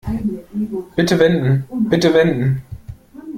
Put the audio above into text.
Bitte wenden, bitte wenden.